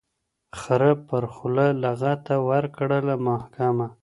خره پرخوله لغته ورکړله محکمه